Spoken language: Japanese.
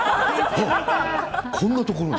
こんなところに。